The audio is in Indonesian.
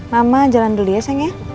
mama jalan dulu ya sayangnya